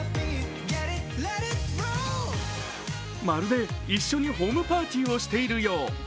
まるで一緒にホームパーティーをしているよう。